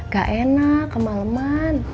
gak enak kemaleman